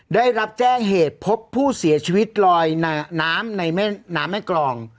ได้รับแจ้งเหตุพบผู้เสียชีวิตลอยน้ำในแม่น้ำแม่กรอง